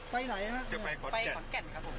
โบราชครับ